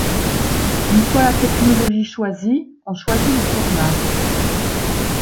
Une fois la technologie choisie, on choisit le format.